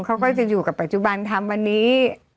เขาก็จะอยู่กับปัจจุบันทำวันนี้